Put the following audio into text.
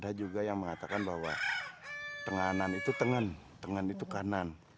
dan ada juga yang mengatakan bahwa tenganan itu tengan tengan itu kanan